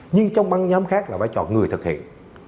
nhưng trong băng nhóm khác là vai trò người thực hiện